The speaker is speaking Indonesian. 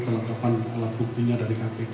kelengkapan alat buktinya dari kpk